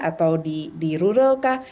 atau di rural kah